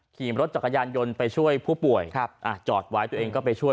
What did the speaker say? ขี่รถจักรยานยนต์ไปช่วยผู้ป่วยจอดไว้ตัวเองก็ไปช่วย